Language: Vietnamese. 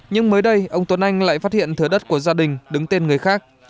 nhưng mới đây ông tuấn anh lại phát hiện thửa đất của gia đình đứng tên người khác